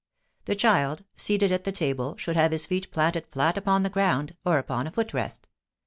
"The child, seated at the table, should have his feet planted flat upon the ground, or upon a foot rest.